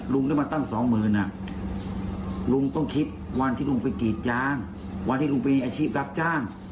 ได้มาตั้งสองหมื่นลุงต้องคิดวันที่ลุงไปกรีดยางวันที่ลุงไปมีอาชีพรับจ้าง